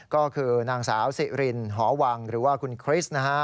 ก็คือนางสาวสิรินหอวังหรือว่าคุณคริสต์นะฮะ